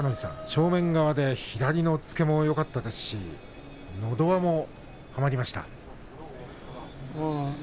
正面側から左の押っつけもよかったですしのど輪も、はまりました。